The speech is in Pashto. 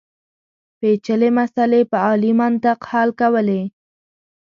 پېچلې مسلې په عالي منطق حل کولې.